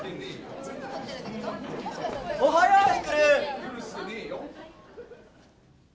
おはよう育！